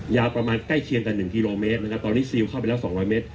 ยาวประมาณใกล้เคียงกัน๑กิโลเมตรนะครับตอนนี้ซิลเข้าไปแล้ว๒๐๐เมตร